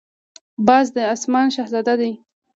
باز د آسمان شهزاده دی